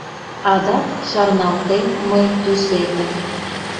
Адак шарналтем мый тӱсетым —